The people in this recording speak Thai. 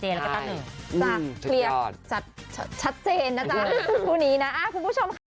จากเคลียร์ชัดเจนนะครับคุณผู้นี้นะครับคุณผู้ชม